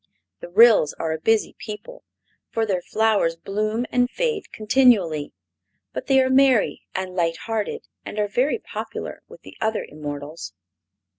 The Ryls are a busy people, for their flowers bloom and fade continually, but they are merry and light hearted and are very popular with the other immortals.